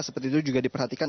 seperti itu juga diperhatikan